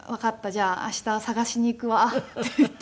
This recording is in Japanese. じゃあ明日探しに行くわ」って言って。